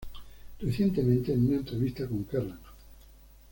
Recientemente en una entrevista con Kerrang!